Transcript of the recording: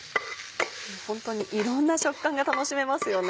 ホントにいろんな食感が楽しめますよね。